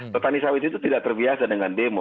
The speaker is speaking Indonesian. petani sawit itu tidak terbiasa dengan demo